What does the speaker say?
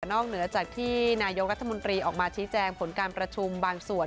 นอกเหนือจากที่นายกรัฐมนตรีออกมาชี้แจงผลการประชุมบางส่วน